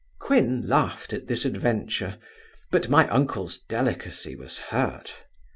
Quin laughed at this adventure; but my uncle's delicacy was hurt.